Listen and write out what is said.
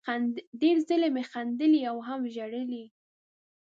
ډېر ځلې مې خندلي او هم ژړلي